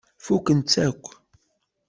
Fukken-tt akk.